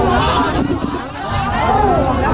สวัสดีครับทุกคน